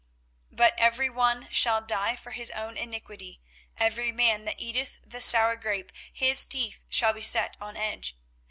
24:031:030 But every one shall die for his own iniquity: every man that eateth the sour grape, his teeth shall be set on edge.